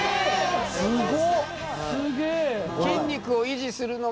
すごっ！